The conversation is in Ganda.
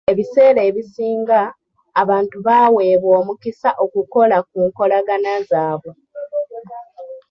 Ebiseera ebisinga, abantu baweebwa omukisa okukola ku nkolagana zaabwe.